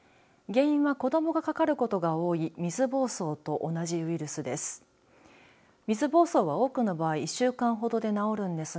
原因は子どもがかかることが多い水ぼうそうと同じウイルスです。